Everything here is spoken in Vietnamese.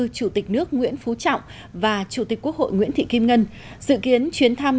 chủ tịch nước nguyễn phú trọng và chủ tịch quốc hội nguyễn thị kim ngân dự kiến chuyến thăm